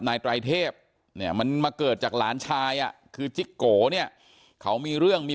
นายไตรเทพมันมาเกิดจากหลานชายนี่แยะคือจิกโกเขามีเรื่องมี